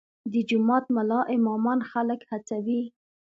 د جومات ملا امامان خلک هڅوي؟